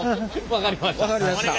分かりました。